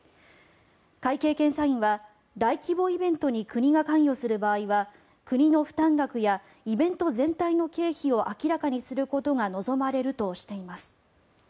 会計検査院は大規模イベントに国が関与する場合は国の負担額やイベント全体の経費を明らかにすることが望まれるとしています。